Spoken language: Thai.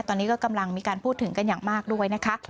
ตอนนี้ก็กำลังมีการพูดถึงกันอย่างมากด้วยนะคะ